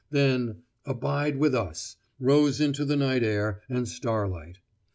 Then, 'Abide with us' rose into the night air and starlight.